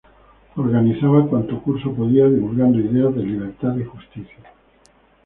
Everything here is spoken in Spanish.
Organizaba cuanto curso podía, divulgando ideas de libertad y justicia.